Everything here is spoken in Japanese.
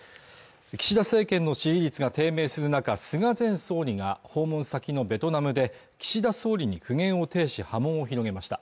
岸田政権の支持率が低迷する中菅前総理が訪問先のベトナムで岸田総理に苦言を呈し波紋を広げました